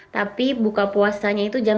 tapi buka puasanya itu jam